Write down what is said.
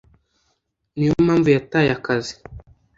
niyo mpamvu yataye akazi